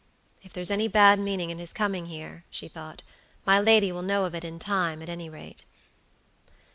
"If there's any bad meaning in his coming here," she thought, "my lady will know of it in time, at any rate."